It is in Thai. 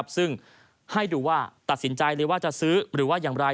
ซึ่งให้ดูว่าตัดสินใจเลยว่าจะซื้อหรือว่าอย่างไร